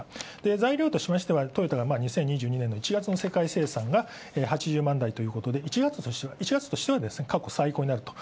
材料としましてはトヨタが１月の世界生産が８０万台と１月としては過去最高となると。